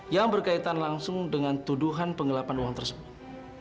yang berkaitan langsung dengan tuduhan penggelapan uang tersebut